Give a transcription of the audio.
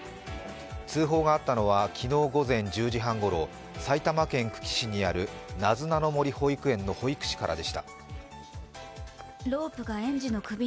通報があったのは昨日午前１０時半ごろ、埼玉県久喜市にあるなずなの森保育園の保育士からでした。